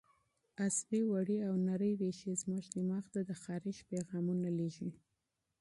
عصبي وړې او نرۍ رېښې زموږ دماغ ته د خارښ پیغامونه لېږي.